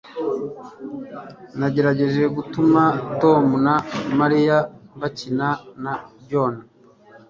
nagerageje gutuma tom na mariya bakina na john